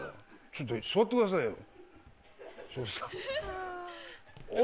ちょっと座ってくださいよ。